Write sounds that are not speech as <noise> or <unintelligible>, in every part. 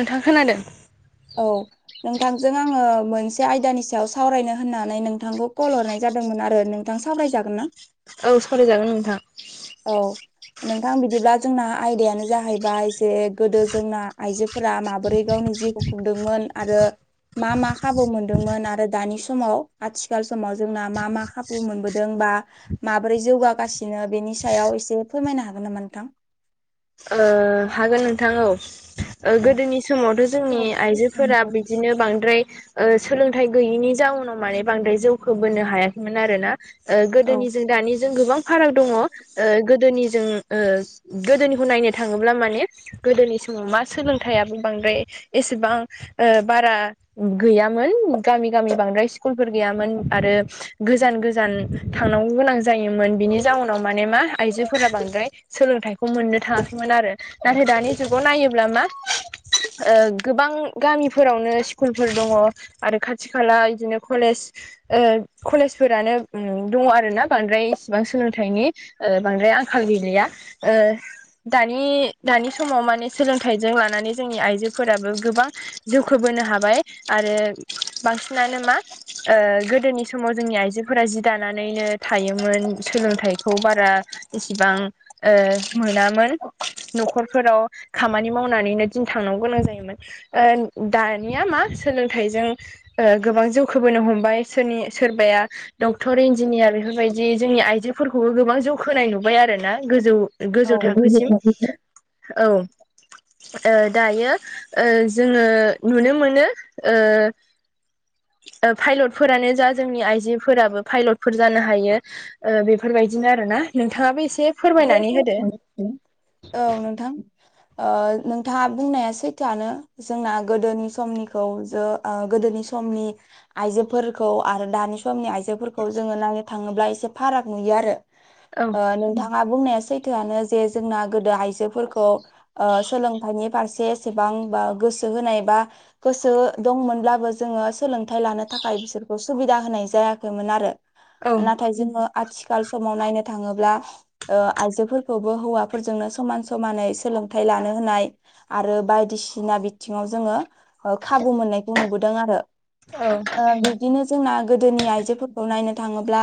नोंथां खोनादों औ नोंथांजों आङो मोनसे आयदानि सायाव सावरायनो होननानै नोंथांखौ कल हरनाय जादोंमोन आरो दा सावरायजागोन ना? औ सावरायजागोन नोंथां अ नोंथां बिदिब्ला जोंना आयदायानो जाहैबाय जे गोदो जोंना आइजोफोरा माबोरै गावनि जिउ खुंदोंमोन आरो मा मा खाबु मोनदोंमोन आरो दानि समाव आथिखाल समाव जोंना मा मा खाबु मोनबोदों बा माबोरै जौगा गासिनो बेनि सायाव एसे फोरमायनो हागोन नामा नोंथां? ओ हागोन नोंथां औ औ गोदोनि समावथ' जोंनि आइजोफोरा बि दिनो बांद्राय ओ सोलोंथाइ गैयिनि जाउनाव माने बांद्राय जौखौ बोनो हायाखैमोन आरोना ओ औ गोदोनिजों दानिजों गोबां फाराग दङ' ओ गोदोनि जों ओ गोदोनि खौ नायनो थाङोब्ला माने गोदोनि समाव मा सोलोंथाइयाबो बांद्राय एसेबां ओ बारा गैयामोन गामि गामि बांद्राय स्कुलफोर गैयामोन आरो गोजान गोजान थांनांगौ गोनां जायोमोन बिनि जाउनाव माने मा आइजोफोरा बांद्राय सोलोंथाइखौ मोननो थाङाखैमोन आरो नाथाय दानि जुगाव नायोब्ला मा ओ गोबां गामिफोरावनो स्कुलफोर दङ' आरो खाथि खाला इदिनो कलेज ओ खलेजफोरानो दङ' आरोना बांद्राय इसिबां सोलोंथाइनि ओ बांद्राय आंखाल गैलिया ओ दानि दानि समाव माने सोलोंथाइजों लानानै जोंनि आइजोफोराबो गोबां जौखोबोनो हाबाय आरो बांसिनानो मा ओ गोदोनि समाव जोंनि आइजोफोरा जि दानानैनो थायोमोन सोलोंथाइखौ बारा इसिबां ओ मोनामोन न'खरफोराव खामानि मावनानैनो दिन थांनांगौ गोनां जायोमोन ओ दानिया मा सोलोंथाइजों ओ गोबां जौखोबोनो हमबाय सोरनि सोरबाया डक्टर इन्जिनियार बेफोरबायदि जोंनि आइजोफोरखौबो गोबां जौखोनाय नुबाय आरो ना गोजौ औ गोजौ थाखोसिम औ ओ दायो ओ जोङो नुनो मोनो ओ ओ फायलटफोरानो जा जोंनि आइजोफोराबो फायलटफोर जानो हायो ओ बेफोरबायदिनो आरो ना नोंथाङाबो एसे फोरमायनानै होदो औ नोंथां ओ नोंथाङा बुंनाया सैथोआनो जोंना गोदोनि समनिखौ जो ओ गोदोनि समनि आइजोफोरखौ आरो दानि समनि आइजो फोरखौ जोङो नायनो थाङोब्ला एसे फाराग नुयो आरो औ ओ नोंथां ङा बुंनाया सैथोआनो जे जोंना गोदो आइजोफोरखौ ओ सोलोंथाइनि फारसे एसेबां बा गोसो होनाय बा गोसो दंमोनब्लाबो जोङो सोलों थाइ लानो थाखाय बिसोरखौ सुबिदा होनाय जायाखैमोन आरो औ नाथाय जोङो आथिखाल समाव नायनो थाङोब्ला ओ आइजोफोरखौबो हौवाफोरजोंनो समान समानै सोलोंथाइ लानो होनाय आरो बायदिसिना बिथिङाव जोङो ओ खाबु मोननायखौ नुबोदों आरो औ ओ बि दिनो जोंना गोदोनि आइजोफोरखौ नायनो थाङोब्ला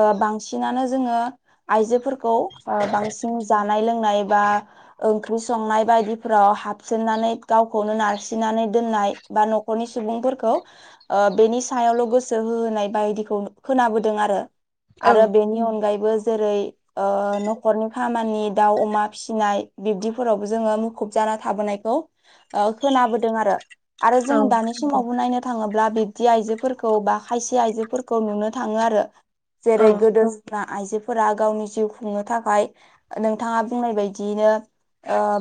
ओं बांसिनानो जोङो आइजोफोरखौ खौ ओ बांसिन जानाय-लोंनाय बा ओंख्रि संनाय बायदिफ्राव हाबसोमनानै गावखौनो नारसिननानै दोननाय बा न'खरनि सुबुंफोरखौ ओ बेनि सायावल' गोसो होहोनाय बायदिखौ खोनाबोदों आरो आरो बेनि अनगायैबो जेरै ओ न'खरनि खामानि दाउ अमा फिसिनाय बिब्दिफोरावबो जोङो मुखुब जाना थाबोनायखौ खोनाबोदों आरो आरो जों औ दानि समावबो नायनो थाङोब्ला बिब्दि आइजोफोरखौ बा खायसे आइजोफोरखौ नुनो थाङो आरो औ जेरै गोदो जोंना आइजोफोरा गावनि जिउ खुंनो थाखाय नोंथाङा बुंनाय बायदियैनो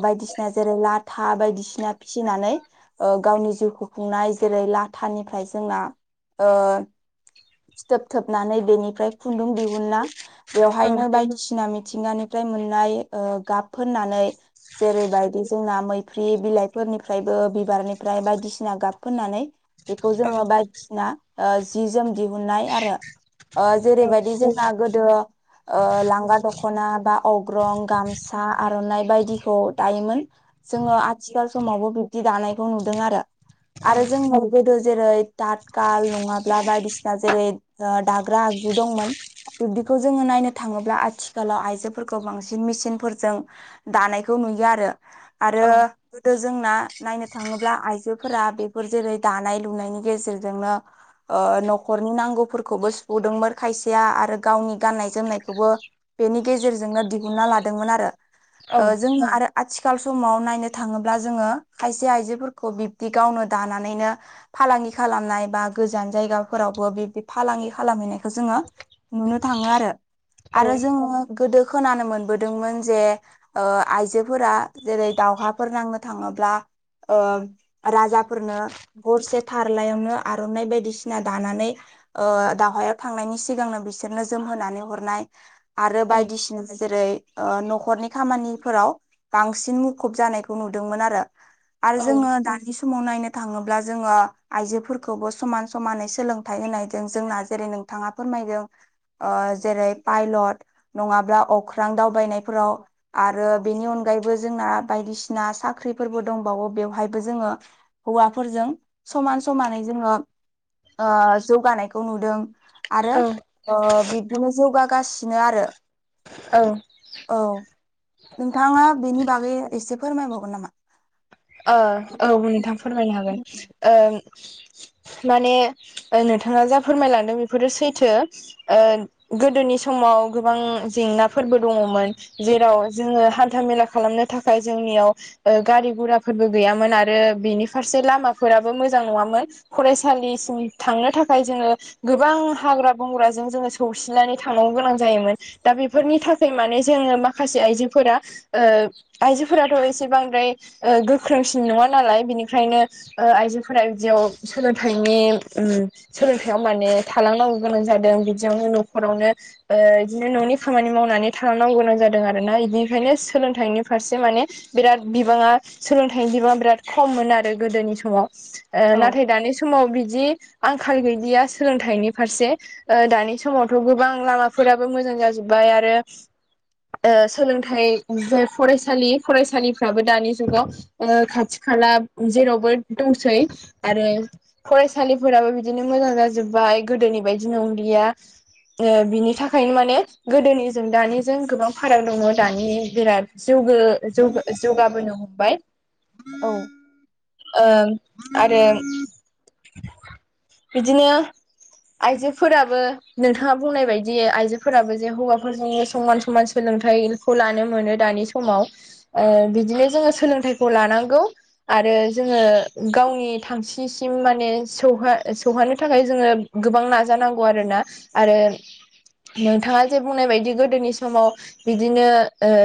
बायदिसिना जेरै लाथ था बायदिसिना फिसिनानै गावनि जिउखौ खुंनाय जेरै लाथानिफ्राय जोंना ओ फिथोब थोबनानै बेनिफ्राय खुन्दुं दिहुनना औ बेवहायनो बायदिसिना मिथिंगानिफ्राय मोननाय गाब फुननानै जेरैबायदि जोंना मै फ्रि बिलाइफोरनिफ्रायबो बिबारनिफ्राय बायदिसिना गाब फोननानै बेखौ औ जोङो बायदिसिना जि जोम दिहुननाय आरो औ जेरैबायदि जोंना गोदो लांगा दख'ना बा अग्रं गामसा आर'नाइ बायदिखौ दायोमोन जोङो आथिखाल समावबो बिब्दि दानायखौ नुदों आरो आरो जोङो गोदो जेरै तातखाल नङाब्ला बायदिसिना जेरै दाग्रा आगजु दंमोन बिदिखौ जोङो नायनो थाङोब्ला आथिखालाव आइजोफोरखौ बांसिन मेसिनफोरजों दानायखौ नुयो आरो आरो औ गोदो जोंना नायनो थाङोब्ला आइजोफोरा बेफोर जेरै दानाय लुनायनि गेजेरजोंनो न'खरनि नांगौफोरखौबो सुफुदोंमोन खायसेया आरो गावनि गाननाय जोमनाय खौबो बेनि गेजेरजोंनो दिहुनना लादोंमोन आरो औ जोङो आरो आथिखाल समाव नायनो थाङोब्ला जोङो खायसे आइजोफोरखौ बिब्दि गावनो दानानैनो फालांगि खालामनाय बा गोजान जायगाफोरावबो बिदि फालांगि खालामहैनायखौ जोङो नुनो थाङो आरो आरो जोङो गोदो खोनानो मोनबोदोंमोन जे आइजोफोरा जेरै दावहाफोर नांनो थाङोब्ला राजाफोरनो गरसे थारलायावनो आरनाइ बायदिसिना दानानै दावहायाव थांनायनि सिगांनो बिसोरनो जोमहोनानै हर नाय आरो औ बायदिसिना जेरै न'खरनि खामानिफोराव बांसिन मुखुब जानायखौ नुदोंमोन आरो आरो जोङो दानि समाव नायनो थाङोब्ला जोङो आइजोफोरखौबो समान समानै सोलोंथाइ होनायजों जोंना जेरै नों थाङा फोरमायदों जेरै पायलट नङाब्ला अख्रां दावबायनायफोराव आरो बेनि अनगायैबो जोंना बायदिसिना साख्रिफोरबो दंबावो बेवहायबो जोङो हौवाफोरजों समान समानै जोङो जौगानायखौ नुदों आरो बिबदिनो जौगागासिनो आरो औ औ नोंथाङा बेनि बागै एसे फोरमायबावगोन नामा ओ औ नोंथां फोरमायनो हागोन ओ माने नोंथाङा जा फोरमायलांदों बेफोरो सैथो गोदोनि समाव गोबां जेंनाफोरबो दङमोन जेराव जोङो हान्था मेला खालामनो थाखाय जोंनियाव गारि गुरा फोरबो गैयामोन आरो बिनि फारसे लामाफोराबो मोजां नङामोन फरायसालिसिम थांनो थाखाय जोङो गोबां हाग्रा बंग्राजों जोङो सौसिनानै थांनांगौ गोनां जायोमोन दा बेफोरनि थाखाय माने जोङो माखासे आइजोफोरा आइजोफोराथ एसे बांद्राय गोख्रोंसिन नङा नालाय बेनिखायनो आइजोफोरा बिदियाव सोलोंथाइनि सोलोंथाइयाव माने थालांनांगौ गोनां जादों बिदियावनो न'खरावनो बिदिनो न'नि खामानि मावनानै थालांनांग गोनां जादों आरोना बिनिखायनो सोलोंथाइनि फारसे माने बिराद बिबाङा सोलोंथाइनि बिबाङा बिराद खममोन आरो गोदोनि समाव औ नाथाय दानि समाव बिदि आंखाल गैलिया सोलोंथाइनि फारसे दानि समावथ गोबां लामाफोराबो मोजां जाजोबबाय आरो सोलोंथाइ जाय फरायसालि फरायसालिफ्राबो दानि जाव खाथि खाला जेरावबो दंसै आरो फरायसालिफोराबो बिदिनो मोजां जाजोबबाय गोदोनि बायदि नंलिया ओ बिनि थाखायनो माने गोदोनिजों दानिजों गोबां फाराग दङ दानि बिराद जौग जौ जौगाबोनो हमबाय औ ओं आरो बिदिनो आइजोफोराबो नोंथाङा बुंनाय बायदि आइजोफोराबो जे हौवाफोरजोंनो समान समान सोलोंथाइखौ लानो मोनो दानि समाव बिदिनो जोङो सोलोंथाइखौ लानांगौ आरो जोङो गावनि थांसिसिम माने सौ सौहानो थाखाय जोङो गोबां नाजानांगौ आरोना आरो नोंथाङा जे बुंनाय बायदि गोदोनि समाव बिदिनो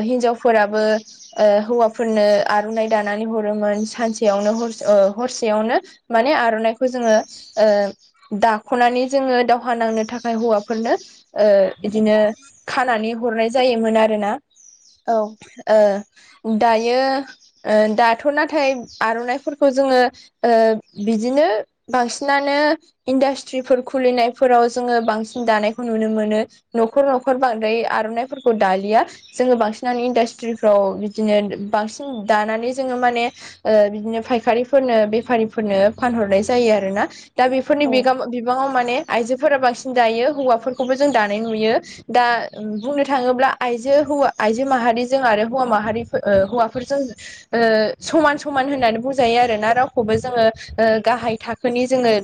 हिनजावफोराबो ओ हौवाफोरनो आर'नाइ दानानै हरोमोन सानसेयावनो हरसे हरसेयावनो माने आर'नाइखौ जोङो ओ दाख'नानै जोङो दावहा नांनो थाखाय हौवाफोरनो ओ बिदिनो खानानै हरनाय जायोमोन आरोना। औ ओ दायो दाथ' नाथाय आर'नाइफोरखौ जोङो ओ बिदिनो बांसिनानो इन्डास्ट्रिफोर खुलिनायफोराव जोङो बांसिन दानायखौ नुनो मोनो। न'खर न'खर बांद्राय आर'नाइफोरखौ दालिया। जोङो बांसिनानो इन्डास्ट्रिफ्राव बिदिनो बांसिन दानानै जोङो माने ओ बिदिनो फायखारिफोरनो बेफारिफोरनो फानहरनाय जायो आरोना। दा बेफोरनि औ बिगाम बिबाङाव माने आइजोफोरा बांसिन दायो हौवाफोरखौबो जों दानाय नुयो। दा बुंनो थाङोब्ला आइजो हौवा आइजो माहारिजों आरो हौवा माहारिफोर हौवा बेफोरजों ओ समान समान होननानै बुंजायो आरोना रावखौबो जोङो ओ गाहाय थाखोनि जोङो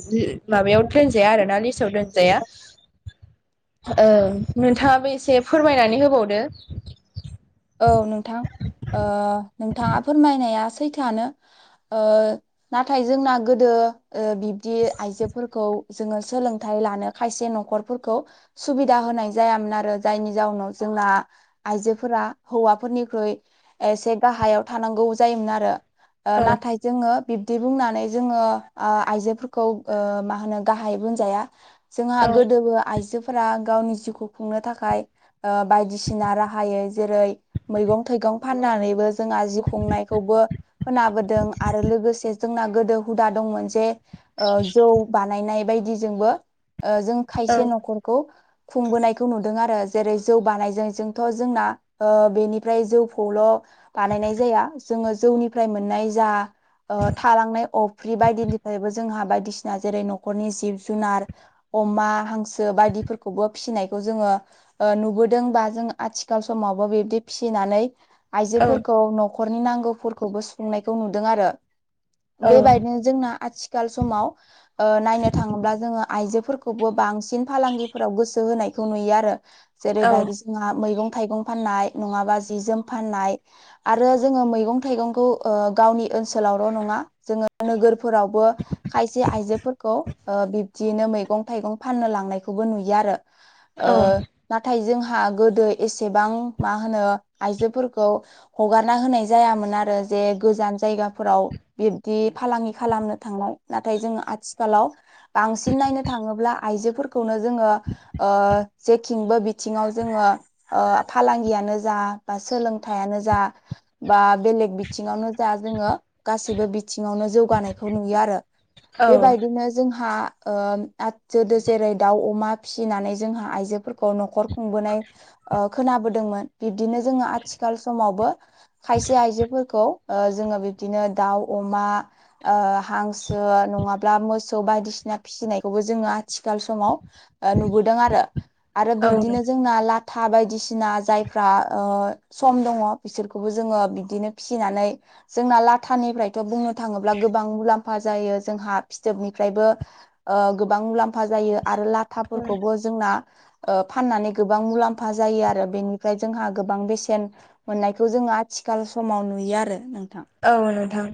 माबायाव दोनजाया आरोना लिस्टाव दोनजाया औ नोंथाङाबो एसे फोरमायनानै होबावदो। औ ओ नोंथां नोंथाङा फोरमायनाया सैथानो। ओ नाथाय जोंना गोदो बिब्दि आइजोफोरखौ जोङो सोलोंथाइ लानो खायसे न'खरफोरखौ सुबिदा होनाय जायामोन आरो जायनि जाउनाव जोंना आइजोफोरा हौवाफोरनिख्रुइ एसे गाहायाव थानांगौ जायोमोन आरो औ नाथाय जोङो बिब्दि बुंनानै जोङो आइजोफोरखौ मा होनो गाहाय बुंजाया। जोंहा औ गोदोबो आइजो फोर्र गावनि जिउखौ खुंनो थाखाय बायदिसिना राहायै जेरै मैगं थाइगं फाननानैबो जोंहा जिउ खुंनायखौबो खाबोदों आरो लोगोसे जोंना गोदो हुदा दंमोन जे ओ जौ बानायनाय बायदिजोंबो ओ जों औ खायसे न'खरखौ खुंबोनायखौ नुदों आरो जेरै जौ बानायजों जोंथ' जोंना ओ बेनिफ्राय जौ फल' बानायनाय जाया जोङो जौनिफ्राय मोननाय जा ओ थालांनाय अफ्रि बायदिनिफ्रायबो जोंहा बायदिसिना जेरै न'खरनि जिब जुनार अमा हांसो बायदिफोरखौबो फिसिनायखौ जोङो नुबोदों बा जों आथिखाल समावबो बिबदि फिनानै औ आइजोफोरखौ नख न'खरनि नांगौफोरखौबो सुंनायखौ नुदों आरो औ बेबायदिनो जोंना आथि खाल समाव ओ नायनो थाङोब्ला जोङो आइजोफोरखौबो बांसि सिन फालांगिफोराव गोसो होनायखौ नुयो आरो जेरैबायदि जोंहा मैगं थाइगं फाननाय नङाबा जि जोम फाननाय आरो जोङो मैगं थाइगंखौ ओ गावनि ओनसोलावल' नङा जोङो नोगोरफोरावबो खायसे आइजोफोरखौ बिब्दियैनो मैगं थाइगं फाननो लांनायखौबो नुयो आरो। औ ओ नाथाय जोंहा गोदो एसेबां मा होनो आइजोफोरखौ हगारना होनाय जायामोन आरो जे गोजान जायगाफोराव बिब्दि फालांगि खालामनो थांनाय नाथाय जों आथिखालाव बांसिन नायनो थाङोब्ला आइजोफोर नो जोङो ओ जेथिंबो बिथिङाव जोङो ओ फालांगियानो जा बा सोलोंथायानो जा बा बेलेग बिथिङावनो जा जोङो गासैबो बिथिङावनो जौगानायखौ नुयो आरो। औ बेबायदिनो जोंहा ओ <unintelligible> जेरै दाउ अमा फिसिनानै जोंहा आइजोफोरखौ न'खर खुंबोनाय ओ खोनाबोदोंमोन बिब्दिनो जोङो आथिखाल समावबो खायसे आइजोफोरखौ ओ जोङो बिबदिनो दाउ अमा ओ हांसो नङाब्ला मोसौ बायदिसि सिना फिसिनायखौबो जोङो आथिखाल समाव नुबोदों आरो आरो औ बिब्दिनो जोंना लाथा बायदिसिना जायफ्रा ओ सम दङ बिसोरखौबो जोङो बिदिनो फिसिनानै जोंना लाथानिफ्रायथ' बुंनो थाङोब्ला गोबां मुलाम्फा जायो जोंहा फिथोबनिफ्रायबो ओ गोबां मुलाम्फा जायो आरो औ लाथाफोरखौबो जोंना ओ फाननानै गोबां मुलाम फा जायो आरो बेनिफ्राय जोंहा गोबां बेसेन मोननायखौ जोङो आथिखाल समाव नुयो आरो नोंथां औ नोंथां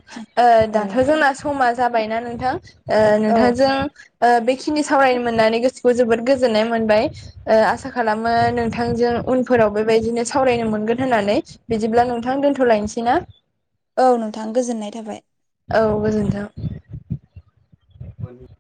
ओ औ दाथ' जोंना समा जाबायना नोंथां औ नोंथांजों ओ बेखिनि सावरायनो मोननानै गोसोखौ जोबोद गोजोननाय मोनबाय ओ आसा खालामो नोंथांजों उनफोराव बेबायदिनो सावरायनो मोनगोन होननानै बिदिब्ला नोंथां दोन्थ'लायनोसै ना औ नोंथां गोजोननाय थाबाय औ गोजोन्थों <unintelligible>